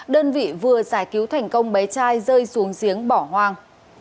đơn vị vừa giải cứu thành công bé trai rơi xuống giếng bỏ hoang